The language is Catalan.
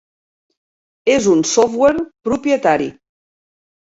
És un software propietari.